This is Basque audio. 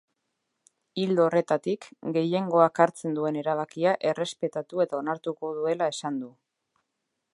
Ildo horretatik, gehiengoak hartzen duen erabakia errespetatu eta onartuko duela esan du.